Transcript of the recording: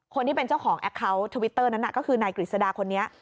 คนที่เป็นเจ้าของแอคเคาน์ทวิตเตอร์นั้นก็คือนายกฤษดาคนนี้